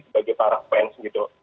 sebagai para fans gitu